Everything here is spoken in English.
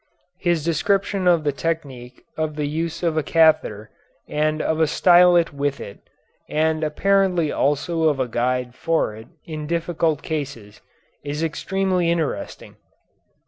His description of the technique of the use of a catheter and of a stylet with it, and apparently also of a guide for it in difficult cases, is extremely interesting.